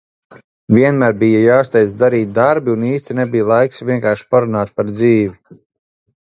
Vienmēr bija jāsteidz darīt darbi un īsti nebija laiks vienkārši parunāt par dzīvi.